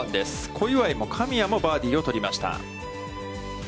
小祝も神谷もバーディーを取りました。